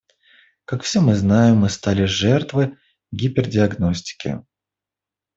Как все мы знаем, мы стали жертвой гипердиагностики.